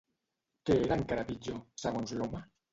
Què era encara pitjor, segons l'home?